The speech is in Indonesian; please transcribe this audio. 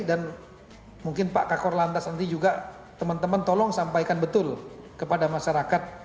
dan mungkin pak kakor lantas nanti juga teman teman tolong sampaikan betul kepada masyarakat